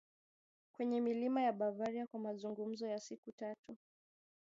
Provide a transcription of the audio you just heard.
kwenye milima ya Bavaria kwa mazungumzo ya siku tatu